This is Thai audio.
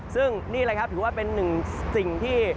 ซึ่งนี้ถือว่าเป็นหนึ่งสิ่งที่